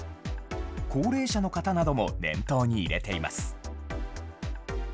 高齢者の方なども念頭に入れています。